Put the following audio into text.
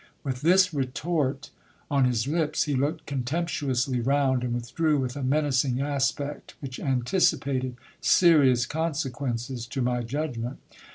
With this retort on his lips, he looked contemptuously round, and withdrew with a menacing aspect, which anticipated serious consequences to my judgment.